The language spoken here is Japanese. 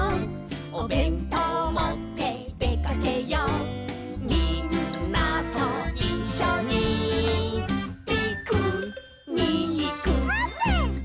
「おべんとうもってでかけよう」「みんなといっしょにピクニック」あーぷん！